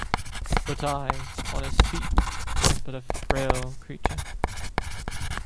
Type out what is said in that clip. But I. on his feet was but a frail creature.